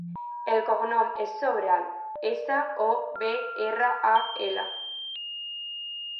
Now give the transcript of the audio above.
El cognom és Sobral: essa, o, be, erra, a, ela.